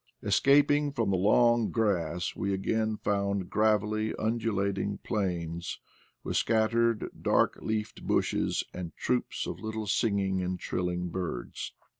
Escaping from the long grass we again found gravelly, undulating plains, with scattered dark leafed bushes, and troops of little singing and trilling birds.